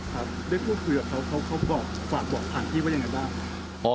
ครับได้พูดคือเขาบอกฝากบอกผ่านพี่ว่าอย่างไรบ้าง